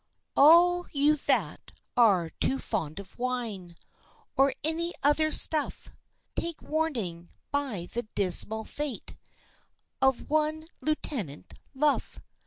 All you that are too fond of wine, Or any other stuff, Take warning by the dismal fate Of one Lieutenant Luff.